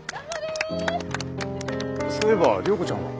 そういえば良子ちゃんは？